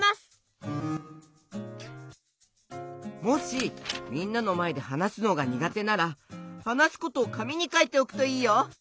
もしみんなのまえではなすのがにがてならはなすことをかみにかいておくといいよ！